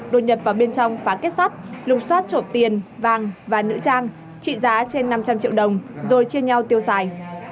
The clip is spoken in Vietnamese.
đột nhập vào bên trong phá kết sắt lục xoát trộm tiền vàng và nữ trang trị giá trên năm trăm linh triệu đồng rồi chia nhau tiêu xài